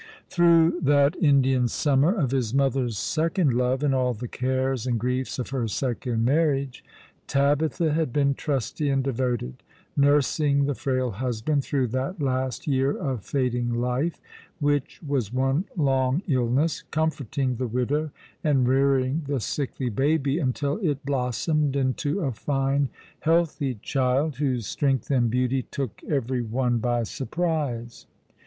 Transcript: Through that Indian summer of his mother's second love, in all the cares and griefs of her second marriage, Tabitha had been trusty and devoted, nursing the frail husband through that last year of fading life which was one long illness, comforting the widow, and rearing the sickly baby until it blossomed into a fine healthy child, whose strength and beauty took every one by surprise.